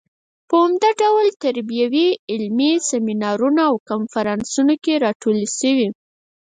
په عمده ډول تربیوي علمي سیمینارونو او کنفرانسونو کې راټولې شوې.